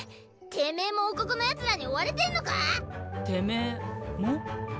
てめぇも王国のヤツらに追われてんのか⁉「てめぇも」？